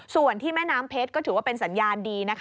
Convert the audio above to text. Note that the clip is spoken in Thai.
ส่วนที่แม่น้ำเพชรก็ถือว่าเป็นสัญญาณดีนะคะ